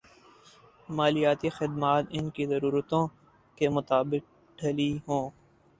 مالیاتی خدمات ان کی ضرورتوں کے مطابق ڈھلی ہوں